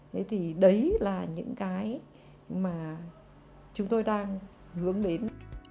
thế thì đấy là những cái mà chúng tôi đang hướng đến